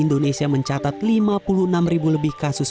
indonesia mencatat lima puluh enam ribu lebih kasus